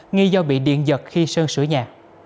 nghi do bị điện giật khi sơn sửa nhà